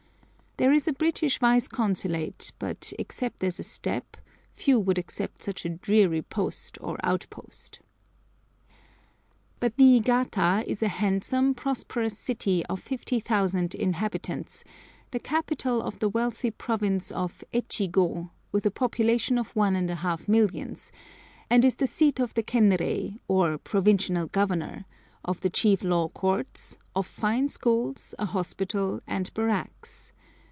{115a} There is a British Vice Consulate, but, except as a step, few would accept such a dreary post or outpost. But Niigata is a handsome, prosperous city of 50,000 inhabitants, the capital of the wealthy province of Echigo, with a population of one and a half millions, and is the seat of the Kenrei, or provincial governor, of the chief law courts, of fine schools, a hospital, and barracks.